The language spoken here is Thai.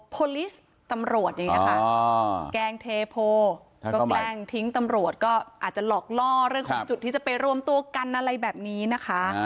ลิสต์ตำรวจอย่างนี้ค่ะแกล้งเทโพก็แกล้งทิ้งตำรวจก็อาจจะหลอกล่อเรื่องของจุดที่จะไปรวมตัวกันอะไรแบบนี้นะคะ